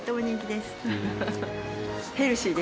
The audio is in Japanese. ヘルシー。